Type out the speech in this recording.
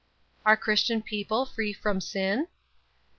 "Are Christian people free from sin?"